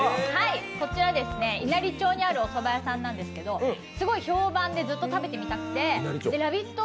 こちら、稲荷町にあるおそば屋さんなんですけど、すごい評判で、ずっと食べてみたくて、「ラヴィット！」